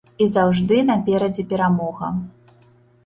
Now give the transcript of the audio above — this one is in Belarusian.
І заўжды наперадзе перамога.